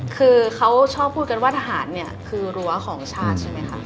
คือเขาชอบพูดกันว่าทหารเนี่ยคือรั้วของชาติใช่ไหมคะ